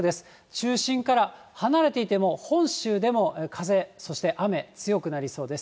中心から離れていても、本州でも風、そして雨強くなりそうです。